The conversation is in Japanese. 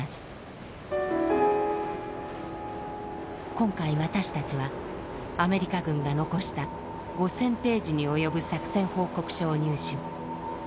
今回私たちはアメリカ軍が残した５，０００ページに及ぶ作戦報告書を入手。